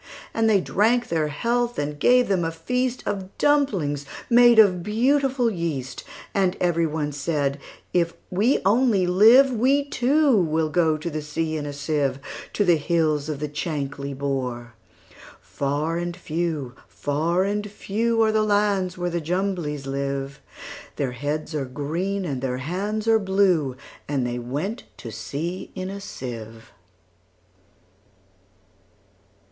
And they drank their health, and gave them a feastOf dumplings made of beautiful yeast; And every one said, "If we only live, We, too, will go to sea in a sieve, To the hills of the Chankly Bore."Far and few, far and few, Are the lands where the Jumblies live:Their heads are green, and their hands are blue; And they went to sea in a sieve.